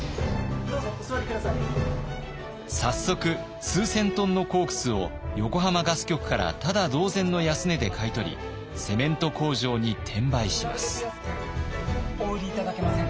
早速数千トンのコークスを横浜瓦斯局からタダ同然の安値で買い取りセメント工場に転売します。